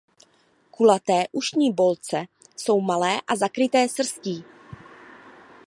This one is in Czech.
Kulaté ušní boltce jsou malé a zakryté srstí.